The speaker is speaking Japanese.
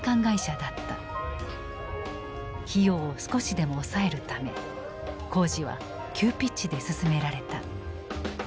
費用を少しでも抑えるため工事は急ピッチで進められた。